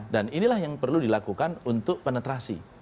dan inilah yang perlu dilakukan untuk penetrasi